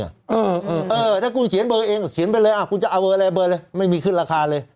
เออเออถ้าคุณเขียนเบอร์เองก็เขียนไปเลยคุณจะเอาเบอร์อะไรเบอร์เลยไม่มีขึ้นราคาเลย